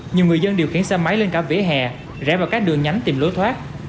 nhiều người dân điều khiển xe máy lên cả vỉa hè rẽ vào các đường nhánh tìm lối thoát